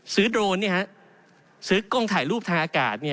โดรนซื้อกล้องถ่ายรูปทางอากาศ